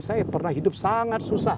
saya pernah hidup sangat susah